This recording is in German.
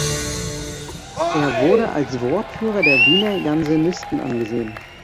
Er wurde als Wortführer der Wiener Jansenisten angesehen.